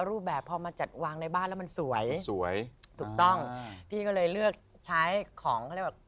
รูปแบบพอมาจัดวางในบ้านแล้วมันสวยสวยถูกต้องเรื่องคอรภ